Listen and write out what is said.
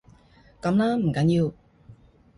噉啦，唔緊要